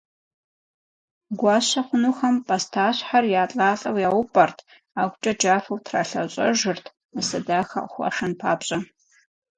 Гуащэ хъунухэм пӏастащхьэр елӏалӏэу яупӏэрт, ӏэгукӏэ джафэу тралъэщӏэжырт, нысэ дахэ къыхуашэн папщӏэ.